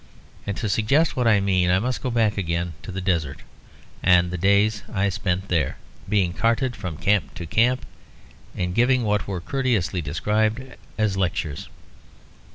And to suggest what I mean I must go back again to the desert and the days I spent there, being carted from camp to camp and giving what were courteously described as lectures.